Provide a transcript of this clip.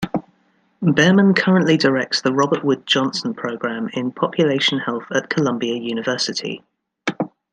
Bearman currently directs the Robert Wood Johnson Program in population health at Columbia University.